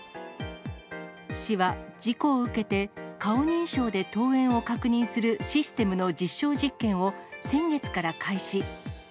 市は事故を受けて、顔認証で登園を確認するシステムの実証実験を、先月から開始。